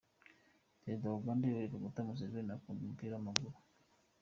Perezida wa Uganda, Yoweri Kaguta Museveni akunda umupira w’amaguru.